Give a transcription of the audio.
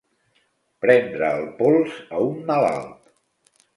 Prendre el pols a un malalt.